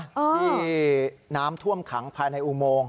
ที่น้ำท่วมขังภายในอุโมง